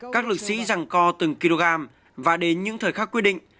các lực sĩ rằng kho từng kg và đến những thời khắc quyết định